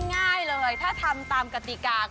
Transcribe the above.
ง่ายเลยถ้าทำตามกติกา